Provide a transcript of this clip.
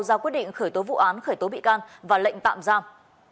ra quyết định khởi tố vụ án khởi tố bị can và lệnh tạm giam